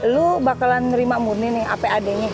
lo bakalan nerima murni nih apad nya